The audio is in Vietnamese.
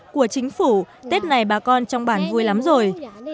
của chính phủ tết này bà con trong bản vui lắm rồi